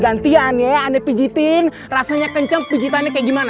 gantian ya anda pijitin rasanya kenceng pijitannya kayak gimana